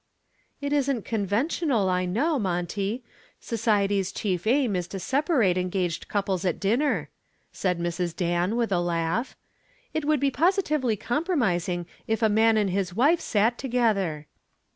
"It isn't conventional, I know, Monty. Society's chief aim is to separate engaged couples at dinner," said Mrs. Dan with a laugh. "It would be positively compromising if a man and his wife sat together."